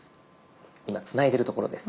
今つないでるところです。